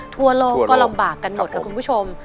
ทั่วโลกก็ลำบากกันหมดค่ะคุณผู้ชม